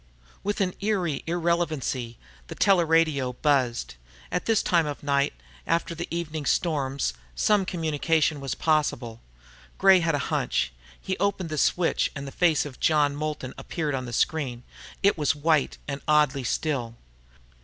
With eerie irrelevancy, the teleradio buzzed. At this time of night, after the evening storms, some communication was possible. Gray had a hunch. He opened the switch, and the face of John Moulton appeared on the screen. It was white and oddly still.